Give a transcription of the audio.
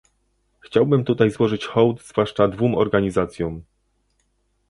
Chciałbym tutaj złożyć hołd zwłaszcza dwóm organizacjom